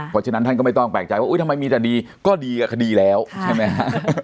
เพราะฉะนั้นท่านก็ไม่ต้องแปลกใจว่าทำไมมีแต่ดีก็ดีกับคดีแล้วใช่ไหมฮะ